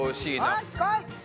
よしこい！